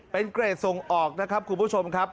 เป็นเกรดส่งออกนะครับคุณผู้ชมครับ